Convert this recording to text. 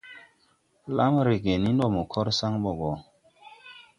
Blam rege ni ndɔ mo kɔr saŋ ɓɔ gɔ!